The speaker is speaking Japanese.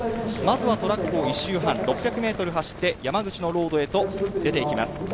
まずはトラックを１周半、６００ｍを走って山口のロードへと出て行きます。